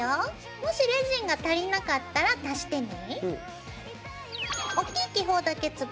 もしレジンが足りなかったら足してね。